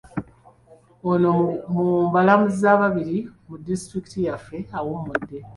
Omu ku balamuzi ababiri mu disitulikiti yaffe awummudde.